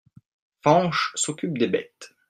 Fañch s’occupe des bêtes.